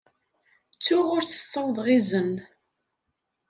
Ttuɣ ur s-ssawḍeɣ izen.